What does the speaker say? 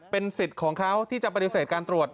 เป็นสิทธิ์ของเขาที่จะปฏิเสธการตรวจ